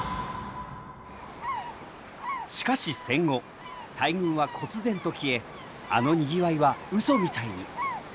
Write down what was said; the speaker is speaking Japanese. しかし戦後大群はこつ然と消えあのにぎわいはウソみたいに。